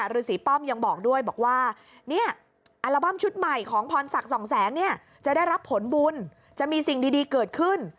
รู้จักผลบุญจะมีสิ่งดีเกิดขึ้น